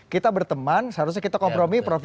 kita berteman seharusnya kita kompromi prof